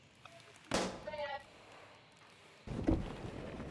anga hewa Hatua za kupunguza metheni hufaidi jitihada za kuzuia badiliko la